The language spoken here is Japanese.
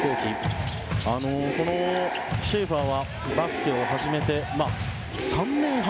このシェーファーはバスケを始めて３年半。